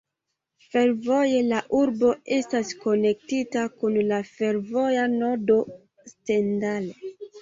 Fervoje la urbo estas konektita kun la fervoja nodo Stendal.